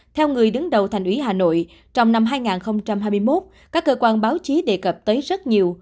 theo người đứng đầu thành ủy hà nội trong năm hai nghìn hai mươi một các cơ quan báo chí đề cập tới rất nhiều